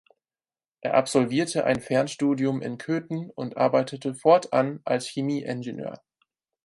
Er absolvierte ein Fernstudium in Köthen und arbeitete fortan als Chemieingenieur.